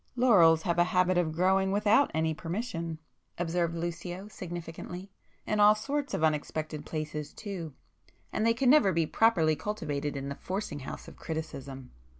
"Laurels have a habit of growing without any permission,"—observed Lucio significantly—"In all sorts of unexpected places too. And they can never be properly cultivated in the forcing house of criticism."